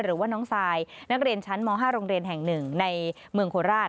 หรือว่าน้องซายนักเรียนชั้นม๕โรงเรียนแห่ง๑ในเมืองโคราช